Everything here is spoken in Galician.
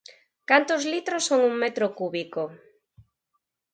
Cantos litros son un metro cúbico?